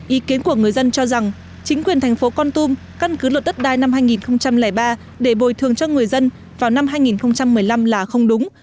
ý kiến của người dân cho rằng chính quyền thành phố con tum căn cứ luật đất đai năm hai nghìn ba để bồi thường cho người dân vào năm hai nghìn một mươi năm là không đúng